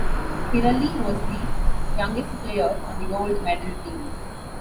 Kiraly was the youngest player on the gold medal team.